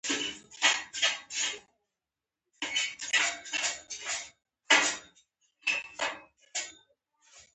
زما نوم سمیع الله دی.